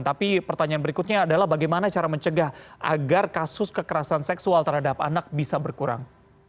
tapi pertanyaan berikutnya adalah bagaimana cara mencegah agar kasus kekerasan seksual terhadap anak bisa berkurang